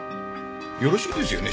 よろしいですよね？